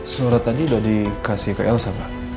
surat tadi sudah dikasih ke elsa pak